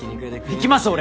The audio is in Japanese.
行きます俺。